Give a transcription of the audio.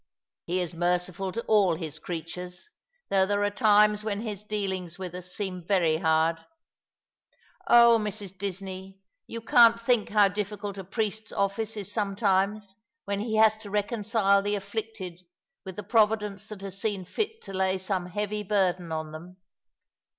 "He is merciful to all His creatures ; though there are times when His dealings with us seem very hard. Oh, Mrs. Disney, you can't think how difficult a priest's office is some times when he has to reconcile the afflicted with the Provi dence that has seen fit to lay some heavy burden on them.